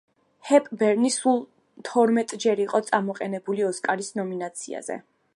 ჰეპბერნი სულ თორმეტჯერ იყო წამოყენებული ოსკარის ნომინაციაზე.